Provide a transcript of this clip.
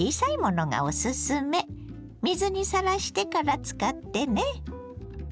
水にさらしてから使ってね。